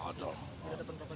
tidak ada peningkatan